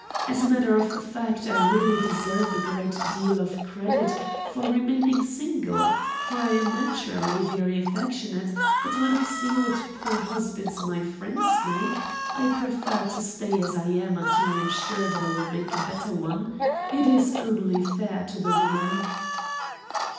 As a matter of fact, I really deserve a great deal of credit for remaining single, for I am naturally very affectionate; but when I see what poor husbands my friends make, I prefer to stay as I am until I am sure that I will make a better one. It is only fair to the woman."